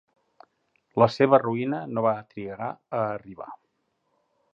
La seva ruïna no va trigar a arribar.